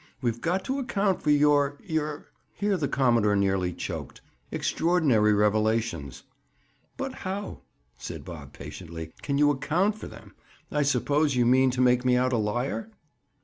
We've got to account for your—your—" here the commodore nearly choked—"extraordinary revelations." "But how," said Bob patiently, "can you 'account' for them? I suppose you mean to make me out a liar?"